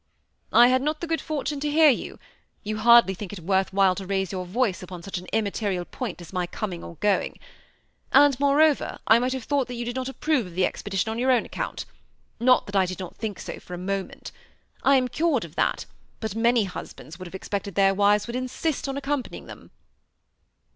I had not the good fortune to hear you ; you hardly think it worth while to raise your voice upon such an immaterial point as my coming or going. And, more over, I might have thought that ^ou did not approve of the expedition on your own account; not that I did think so for a moment. I am cured of that, but many husbands would have expected that their wives wou^ insist on accompanying them."